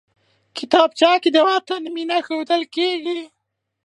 کتابچه کې د وطن مینه ښودل کېږي